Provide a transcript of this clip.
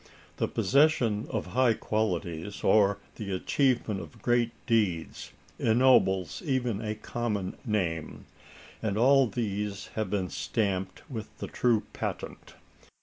The possession of high qualities, or the achievement of great deeds, ennobles even a common name; and all these have been stamped with the true patent.